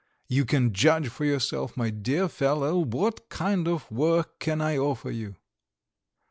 You can judge for yourself, my dear fellow, what kind of work can I offer you?"